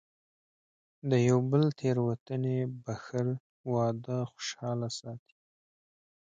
د یو بل تېروتنې بښل، واده خوشحاله ساتي.